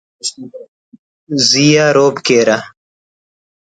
زی آ رعب کیرہ